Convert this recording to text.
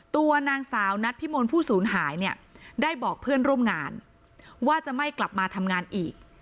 ตัวนางสาวนัดพิมลผู้สูญหายเนี่ยได้บอกเพื่อนร่วมงานว่าจะไม่กลับมาทำงานอีก